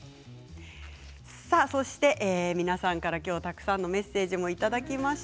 そして、皆さんから今日たくさんのメッセージもいただきました。